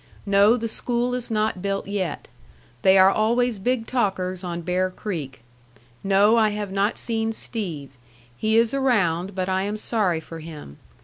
No the school is not built yet. They are always big talkers on Bear Creek. No I have not seen Steve. He is around but I am sorry for him.